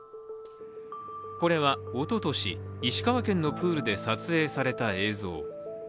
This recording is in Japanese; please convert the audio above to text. これはおととし、石川県のプールで撮影された映像。